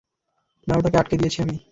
না, ওটাকে আটকে দিয়েছি আমি।